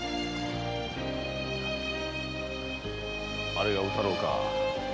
あれが宇太郎か。